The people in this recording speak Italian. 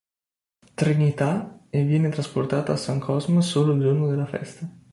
Trinità e viene trasportata a San Cosma solo il giorno della festa.